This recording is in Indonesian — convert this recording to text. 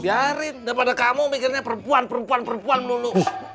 biarin daripada kamu mikirnya perempuan perempuan perempuan melulu